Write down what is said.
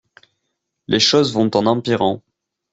Les choses vont en empirant.